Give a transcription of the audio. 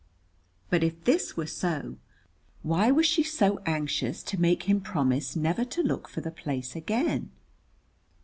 But if this were so, why was she so anxious to make him promise never to look for the place again?